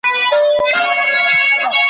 خره لېوه ته ویل ځه کار دي تمام دی ,